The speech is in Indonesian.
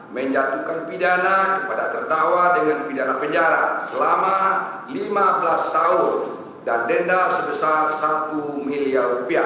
menjatuhkan pidana kepada terdakwa dengan pidana penjara selama lima belas tahun dan denda sebesar rp satu miliar